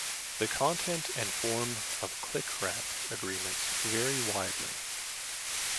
The content and form of clickwrap agreements vary widely.